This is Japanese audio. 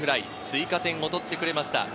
追加点を取ってくれました。